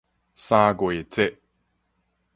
三月節